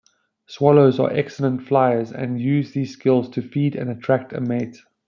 Swallows are excellent flyers, and use these skills to feed and attract a mate.